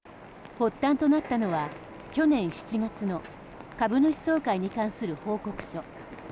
発端となったのは去年７月の株主総会に関する報告書。